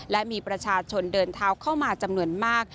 และมีประชาชนเดินเท้าเข้ามาจำนวนมาก